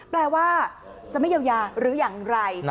แปลว่าจะไม่เยียวยาหรืออย่างไร